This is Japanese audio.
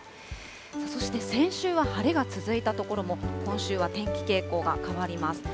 そして先週は晴れが続いた所も、今週は天気傾向が変わります。